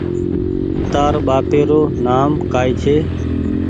تاَر ٻهاپيرو نآم ڪائي ڇي